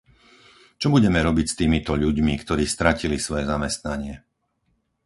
Čo budeme robiť s týmito ľuďmi, ktorí stratili svoje zamestnanie?